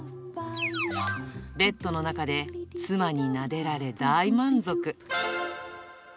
ベッドの中で妻になでられ大満足。